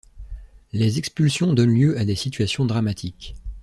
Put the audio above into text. Les expulsions donnent lieu à des situations dramatiques.